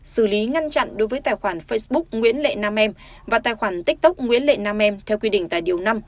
xử lý ngăn chặn đối với tài khoản facebook nguyễn lệ nam em và tài khoản tiktok nguyễn lệ nam em theo quy định tại điều năm